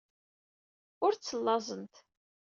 Ur ttlaẓent.